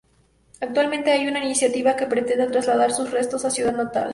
Actualmente hay una iniciativa que pretenda trasladar sus restos a su ciudad natal